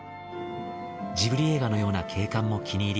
ジブリ映画のような景観も気に入り